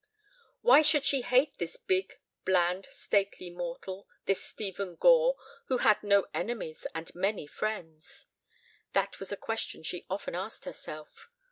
Why should she hate this big, bland, stately mortal, this Stephen Gore who had no enemies and many friends? That was a question she often asked herself.